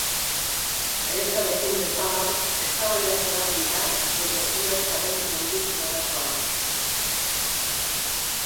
Jaiotzarekin bezala, eztabaidatuak dira bere heriotzaren nondik-norakoak.